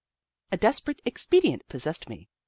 A desperate expedient possessed me.